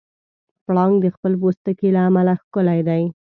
پړانګ د خپل پوستکي له امله ښکلی دی.